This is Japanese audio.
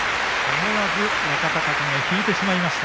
思わず若隆景、引いてしまいました。